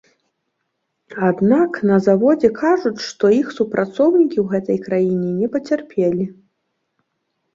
Аднак на заводзе кажуць, што іх супрацоўнікі ў гэтай краіне не пацярпелі.